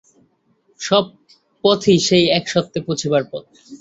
সব পথই সেই একসত্যে পৌঁছিবার পথ।